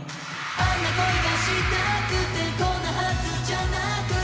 「あんな恋がしたくてこんなはずじゃなくて」